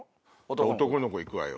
男の子行くわよ。